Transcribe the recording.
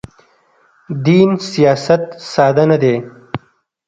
دین سیاست ساده نه دی.